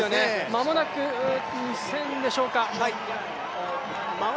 間もなく２０００でしょうか。